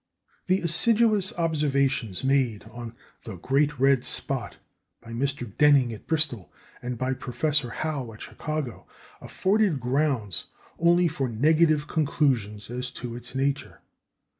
The assiduous observations made on the "Great Red Spot" by Mr. Denning at Bristol and by Professor Hough at Chicago afforded grounds only for negative conclusions as to its nature.